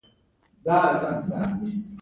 د سپیتزر انفراریډ تلسکوپ و.